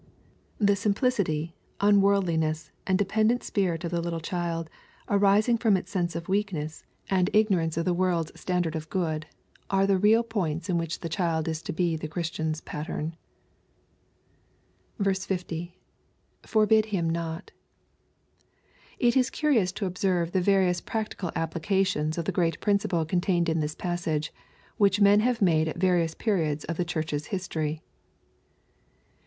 The simplicity, unworldliness, and dependent spirit of a little child« arising from its sense of weakness, and feebleness, and igDorance LUKE, CHAP. IX. 831 of the world's standard of good, are the real points in which the child is to be the Christian's pattern. 60. — [Forbid hvm iwt] It is curious to observe the various practical applications of the great principle contained in this passage, which men have made at various penods of the Church's history.